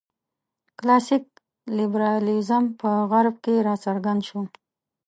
کلاسیک لېبرالېزم په غرب کې راڅرګند شو.